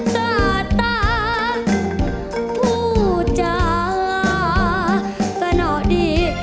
สาตาผู้จาสนอดี